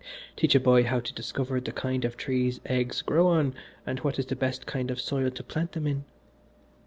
Teach a boy how to discover the kind of trees eggs grow on and what is the best kind of soil to plant them in.